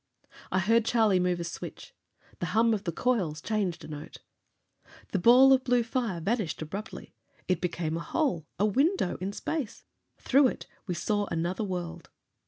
I heard Charlie move a switch. The hum of the coils changed a note. The ball of blue fire vanished abruptly. It became a hole, a window in space! Through it, we saw another world!